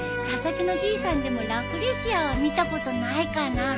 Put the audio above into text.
佐々木のじいさんでもラフレシアは見たことないかな？